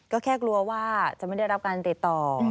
ก็แค่กลัวว่าจะไม่ได้รับการติดต่อ